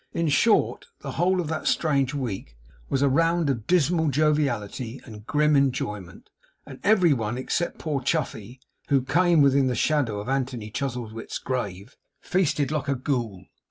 In short, the whole of that strange week was a round of dismal joviality and grim enjoyment; and every one, except poor Chuffey, who came within the shadow of Anthony Chuzzlewit's grave, feasted like a Ghoul.